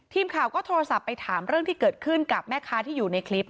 ทีมข่าวก็โทรศัพท์ไปถามเรื่องที่เกิดขึ้นกับแม่ค้าที่อยู่ในคลิป